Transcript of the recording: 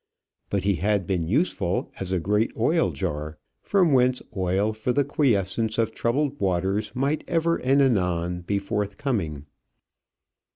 But he had been useful as a great oil jar, from whence oil for the quiescence of troubled waters might ever and anon be forthcoming.